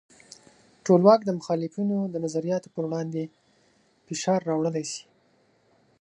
ټولواک د مخالفینو د نظریاتو پر وړاندې فشار راوړلی شي.